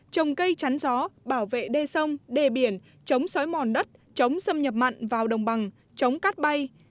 trồng cây chắn gió bảo vệ đê sông đê biển chống xói mòn đất chống xâm nhập mặn vào đồng bằng chống cát bay